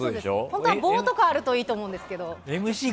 本当は棒とかあるといいと思うんですけど。